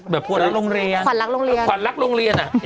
เหมือนควันรักโรงเรียน